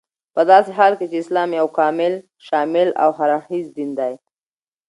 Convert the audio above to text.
پداسي حال كې چې اسلام يو كامل، شامل او هر اړخيز دين دى